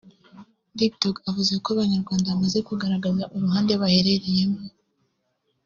Dig Dog avuga ko Abanyarwanda bamaze kugaragaza uruhande baherereyemo